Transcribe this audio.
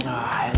nah enak banget